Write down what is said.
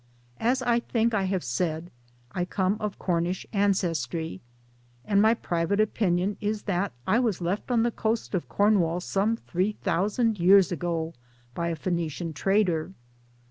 As I think I have said, I come of Cornish ancestry and my private opinion is that I was left on the coast of Cornwall some three thousand years ago by a Phoenician trader.